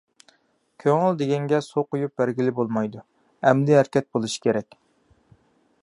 كۆڭۈل دېگەنگە سۇ قۇيۇپ بەرگىلى بولمايدۇ، ئەمەلىي ھەرىكەت بولۇشى كېرەك.